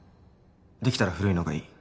できたら古いのがいい